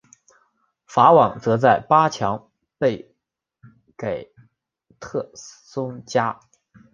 法网则在八强败给特松加。